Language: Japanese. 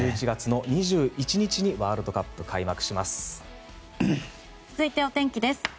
１１月の２１日にワールドカップ開幕します。